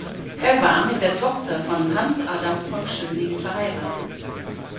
Er war mit der Tochter von Hans Adam von Schöning verheiratet.